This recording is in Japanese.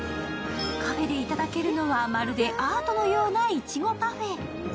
カフェでいただけるのはまるでアートのようないちごパフェ。